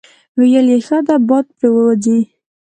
ویې ویل: ښه ده، باد پرې وځي.